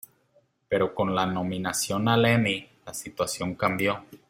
Pero con la nominación al Emmy, la situación cambió.